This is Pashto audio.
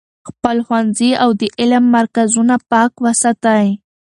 خپل ښوونځي او د علم مرکزونه پاک وساتئ.